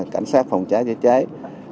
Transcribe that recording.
cảnh sát phòng cháy chữa cháy